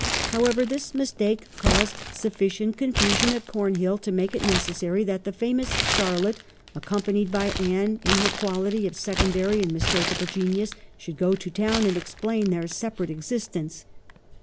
However, this mistake caused sufficient confu sion at Cornhill to make it necessary that the famous Charlotte, accompanied by Anne, in her quality of secondary and mistakable genius, should go to town and explain their separate existence.